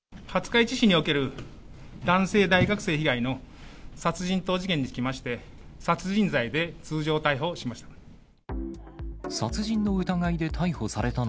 廿日市市における男性大学生被害の殺人等事件につきまして、殺人罪で通常逮捕しました。